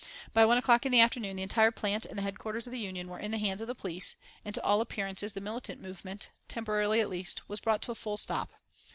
By one o'clock in the afternoon the entire plant and the headquarters of the Union were in the hands of the police, and to all appearances the militant movement temporarily at least was brought to a full stop.